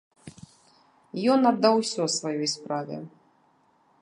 Ён аддаў усё сваёй справе.